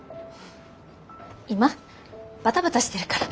今バタバタしてるから。